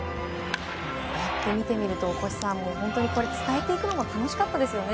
こうやって見てみると伝えていくのも楽しかったですよね